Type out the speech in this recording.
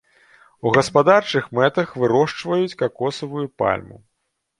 У гаспадарчых мэтах вырошчваюць какосавую пальму.